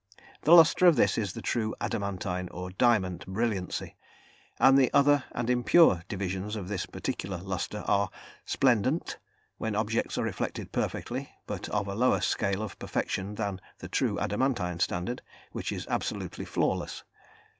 The lustre of this is the true "adamantine," or diamond, brilliancy, and the other and impure divisions of this particular lustre are: splendent, when objects are reflected perfectly, but of a lower scale of perfection than the true "adamantine" standard, which is absolutely flawless.